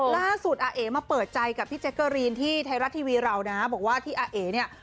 ล่าสุดอาเอ๋มาเปิดใจกับพี่แจ๊กเกอรีนที่ไทยรัฐทีวีเรานะบอกว่าที่อาเอ๋เนี่ย